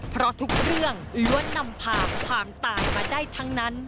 เพราะทุกเรื่องล้วนนำพาความตายมาได้ทั้งนั้น